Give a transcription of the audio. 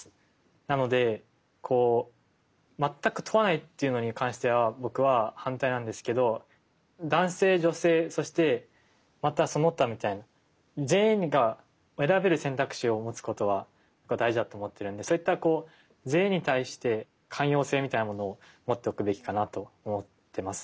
なので全く問わないっていうのに関しては僕は反対なんですけど男性女性そしてまたその他みたいな全員が選べる選択肢を持つことは大事だと思ってるんでそういった全員に対して寛容性みたいなものを持っておくべきかなと思ってます。